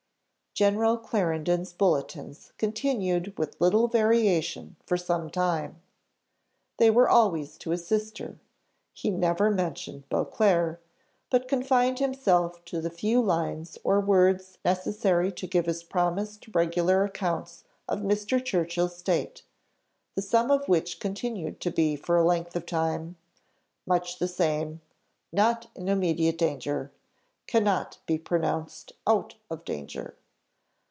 General Clarendon's bulletins continued with little variation for some time; they were always to his sister he never mentioned Beauclerc, but confined himself to the few lines or words necessary to give his promised regular accounts of Mr. Churchill's state, the sum of which continued to be for a length of time: "Much the same." "Not in immediate danger." "Cannot be pronounced out of danger."